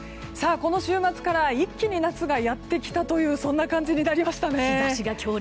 この週末から一気に夏がやってきたというそんな感じになりましたね。